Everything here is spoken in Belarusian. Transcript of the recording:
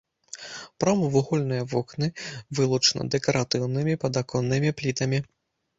Прамавугольныя вокны вылучаны дэкаратыўнымі падаконнымі плітамі.